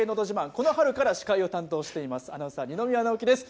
この春から司会を担当しています、アナウンサー、二宮直輝です。